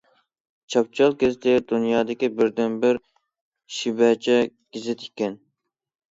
چاپچال گېزىتى دۇنيادىكى بىردىنبىر شىبەچە گېزىت ئىكەن.